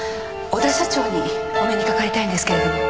小田社長にお目にかかりたいんですけれど。